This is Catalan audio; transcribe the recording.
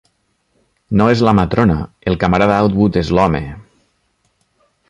No és la matrona: el camarada Outwood és l'home.